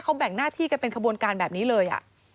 เขาแบ่งหน้าที่กันเป็นขบวนการแบบนี้เลย